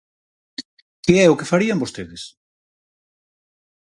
¿Que é o que farían vostedes?